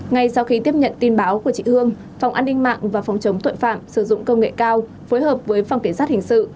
ngay sau khi tiếp nhận tin báo của chị hương phòng an ninh mạng và phòng chống tội phạm sử dụng công nghệ cao phối hợp với phòng cảnh sát hình sự